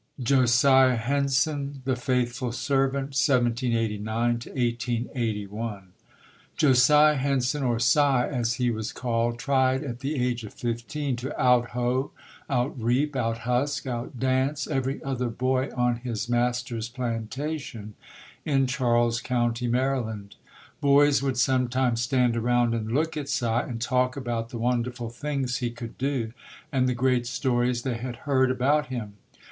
JOSIAH HENSON Chapter XI JOSIAH HENSON THE FAITHFUL SERVANT 1789 1881 T OSIAH HENSON, or "Si" as he was called, J tried at the age of fifteen to out hoe, out reap, out husk, out dance every other boy on his mas ter's plantation in Charles County, Maryland. Boys would sometimes stand around and look at "Si" and talk about the wonderful things he could do and the great stories they had heard about him.